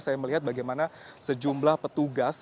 saya melihat bagaimana sejumlah petugas